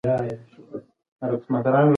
سیاسي مشران باید ملي فکر ولري